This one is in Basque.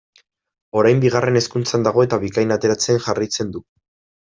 Orain Bigarren Hezkuntzan dago eta Bikain ateratzen jarraitzen du.